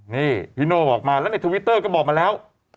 นี่พี่โน่บอกมาแล้วในทวิตเตอร์ก็บอกมาแล้ว